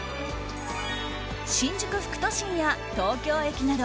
新宿副都心や東京駅など